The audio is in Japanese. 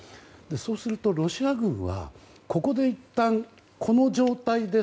そうするとロシア軍はここでいったんこの状態で